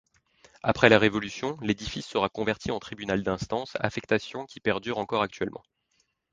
Après la Révolution, l'édifice sera converti en Tribunal d'Instance, affectation qui perdure encore actuellement.